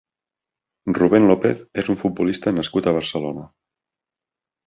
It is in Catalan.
Rubén López és un futbolista nascut a Barcelona.